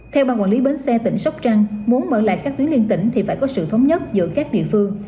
theo ban quản lý bến xe tỉnh sóc trăng muốn mở lại các tuyến liên tỉnh thì phải có sự thống nhất giữa các địa phương